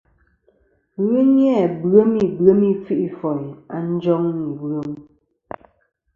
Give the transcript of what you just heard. Ghɨ ni-a bwem ibwem i kfi'foyn a njoŋ ìbwem.